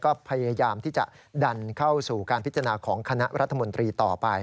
ก็พยายามที่จะดันเข้าสู่การพิจารณาของคณะรัฐมนตรีต่อไป